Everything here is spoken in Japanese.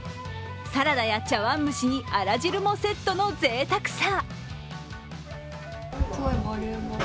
サラダや茶わん蒸しにあら汁もセットのぜいたくさ。